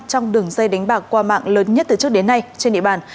trong đường dây đánh bạc qua mạng lớn nhất từ trước đến nay trên địa bàn